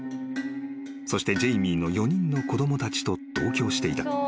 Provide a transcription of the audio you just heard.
［そしてジェイミーの４人の子供たちと同居していた］